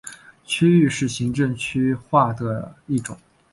区域是行政区划的一种。